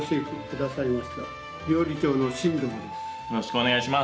よろしくお願いします。